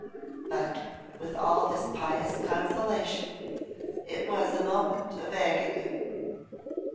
But, with all this pious consolation, it was a moment of agony.